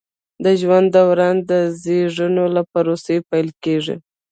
د ژوند دوران د زیږون له پروسې پیل کیږي.